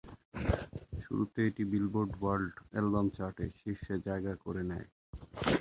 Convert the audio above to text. শুরুতে এটি billboard world album চার্টে শীর্ষে জায়গা করে নেয়।